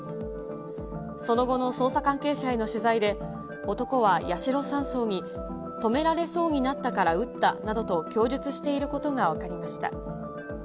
その後の捜査関係者への取材で、男は八代３曹に止められそうになったから撃ったなどと供述していることが分かりました。